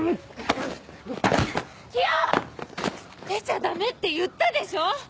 出ちゃダメって言ったでしょ！